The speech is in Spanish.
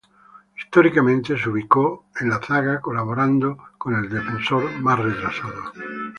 Históricamente se ubicó en la zaga colaborando con el Defensor más retrasado.